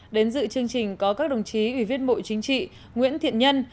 đến dự chương trình có các đồng chí ủy viên bộ chính trị nguyễn thiện nhân